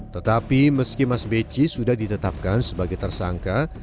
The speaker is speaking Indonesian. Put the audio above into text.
tetapi meski mas beci sudah ditetapkan sebagai tersangka